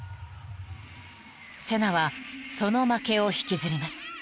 ［セナはその負けを引きずります］